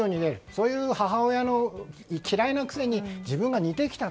そういう母親の嫌いな癖に自分が似てきた。